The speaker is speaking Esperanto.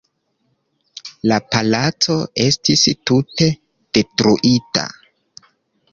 La palaco estis tute detruita.